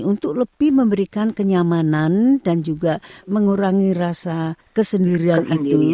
untuk lebih memberikan kenyamanan dan juga mengurangi rasa kesendirian itu